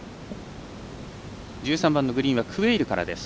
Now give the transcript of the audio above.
１３番のグリーンクウェイルからです。